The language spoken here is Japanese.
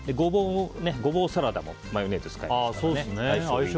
ゴボウサラダもマヨネーズを使いますからね。